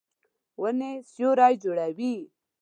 ونې سیوری جوړوي.